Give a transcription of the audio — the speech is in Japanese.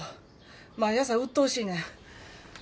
毎朝うっとうしいねん。